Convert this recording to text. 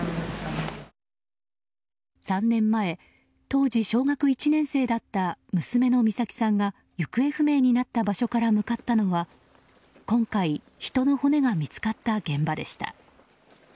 ３年前、当時小学１年生だった娘の美咲さんが行方不明になった場所から向かったのは今回、人の骨が見つかった現場でした。